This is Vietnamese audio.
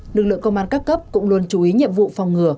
lực lượng công an các cấp cũng luôn chú ý nhiệm vụ phòng ngừa